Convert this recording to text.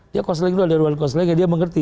dia konseling dulu ada ruang konseling dia mengerti